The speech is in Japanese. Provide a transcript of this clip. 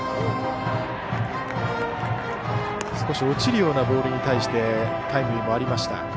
落ちるようなボールに対してタイムリーもありました。